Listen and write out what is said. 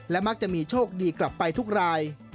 มักจะมีโชคดีกลับไปทุกราย